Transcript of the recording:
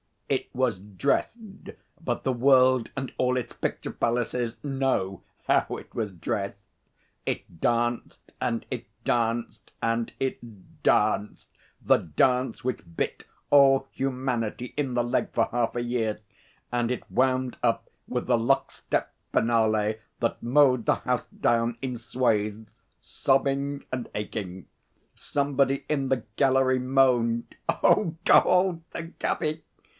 It was dressed but the world and all its picture palaces know how it was dressed. It danced and it danced, and it danced the dance which bit all humanity in the leg for half a year, and it wound up with the lockstep finale that mowed the house down in swathes, sobbing and aching. Somebody in the gallery moaned, 'Oh Gord, the Gubby!'